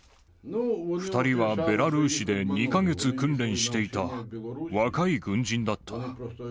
２人はベラルーシで２か月訓練していた若い軍人だった。